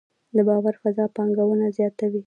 د باور فضا پانګونه زیاتوي؟